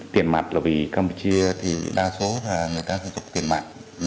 tiền mặt là vì campuchia thì đa số là người ta sẽ rút tiền mặt